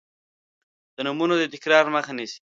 د نومونو د تکرار مخه نیسي.